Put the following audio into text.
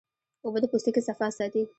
اوبه د پوستکي صفا ساتي